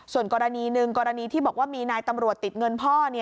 ส่วนกรณีหนึ่งกรณีที่บอกว่ามีนายตำรวจติดเงินพ่อ